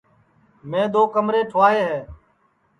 میں دؔو کمرے ٹُھوائے ہے